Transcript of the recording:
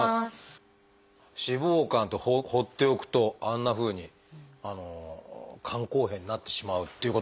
脂肪肝って放っておくとあんなふうに肝硬変になってしまうっていうことがあるんですね。